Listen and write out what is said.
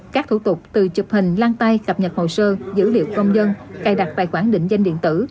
các thủ tục từ chụp hình lang tay cập nhật hồ sơ dữ liệu công dân cài đặt tài khoản định danh điện tử